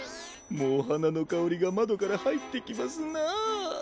もうはなのかおりがまどからはいってきますな。